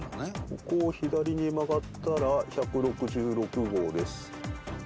ここを左に曲がったら１６６号です。